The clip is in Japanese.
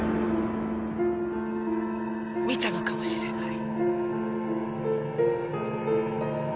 見たのかもしれない。